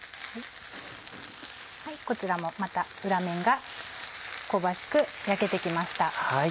こちらもまた裏面が香ばしく焼けて来ました。